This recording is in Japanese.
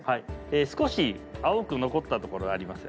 少し青く残ったところありますよね。